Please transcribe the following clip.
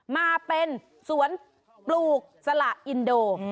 มาเป็นสวนปลูกสละอินโด